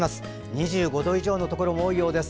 ２５度以上のところも多いようです。